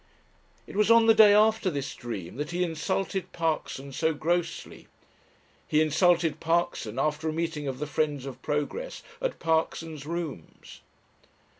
It was on the day after this dream that he insulted Parkson so grossly. He insulted Parkson after a meeting of the "Friends of Progress" at Parkson's rooms.